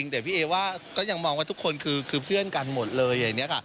แต่พี่เอว่าก็ยังมองว่าทุกคนคือเพื่อนกันหมดเลยอย่างนี้ค่ะ